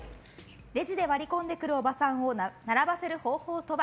レジで割り込んでくるおばさんを並ばせる方法とは？